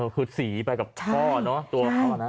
คือสีไปกับพ่อเนอะตัวพ่อนะ